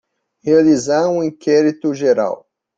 Realizar um inquérito geral